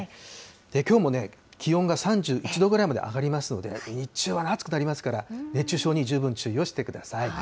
きょうもね、気温が３１度ぐらいまで上がりますので、日中は暑くなりますから、熱中症に十分注意をしてください。